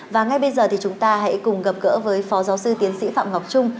và ngay bây giờ thì chúng ta hãy cùng gặp gỡ với phó giáo sư tiến sĩ phạm ngọc trung